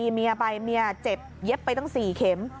เมียไปเมียเจ็บเย็บไปตั้ง๔เข็ม